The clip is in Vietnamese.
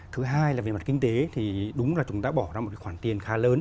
thứ hai là về mặt kinh tế thì đúng là chúng ta bỏ ra một khoản tiền khá lớn